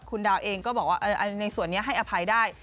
คุณดาวเองก็บอกว่าในส่วนนี้ให้อภัยได้